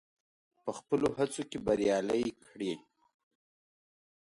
په خپلو هڅو کې بريالی کړي.